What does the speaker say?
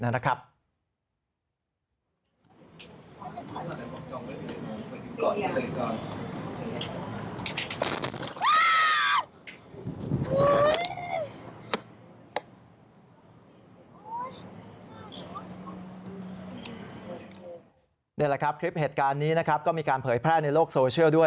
ได้แล้วครับคลิปเหตุการณ์นี้ก็มีการเผยแพร่ในโลกโซเชียลด้วย